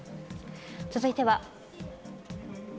続いては。